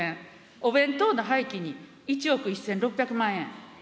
お弁当の廃棄に１億１６００万円。